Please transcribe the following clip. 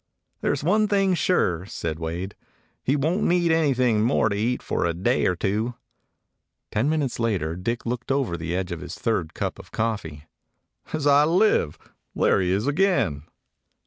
"There 's one thing sure," said Wade. "He won't need anything more to eat for a day or two." Ten minutes later Dick looked over the edge of his third cup of coffee. "As I live, he's there again!"